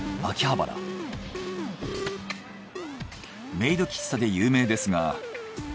メイド喫茶で有名ですが。